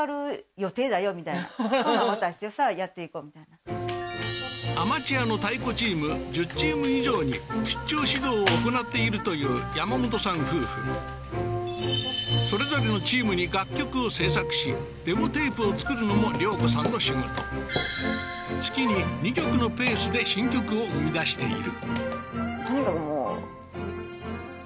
それはまあまあアマチュアの太鼓チーム１０チーム以上に出張指導を行っているという山本さん夫婦それぞれのチームに楽曲を制作しデモテープを作るのも良子さんの仕事月に２曲のペースで新曲を生み出している